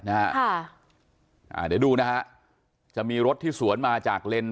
เดี๋ยวดูนะฮะจะมีรถที่สวนมาจากเลน